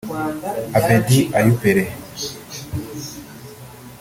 Abed Ayew Pele